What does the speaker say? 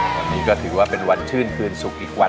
วันนี้ก็ถือว่าเป็นวันชื่นคืนสุขอีกวัน